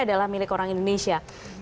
adalah milik orang indonesia